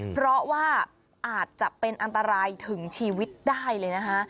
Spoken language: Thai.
เพราะว่าอาจจะเป็นอันตรายถึงชีวิตได้เลยนะคะ